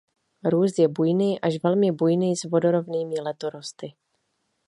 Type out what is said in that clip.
Růst je bujný až velmi bujný s vodorovnými letorosty.